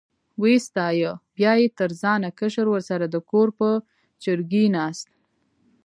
وې ستایه، بیا یې تر ځانه کشر ورسره د کور په چرګۍ ناست.